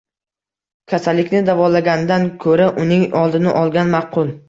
Kasallikni davolagandan ko‘ra uning oldini olgan ma’qul